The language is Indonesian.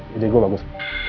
jadi gue bagus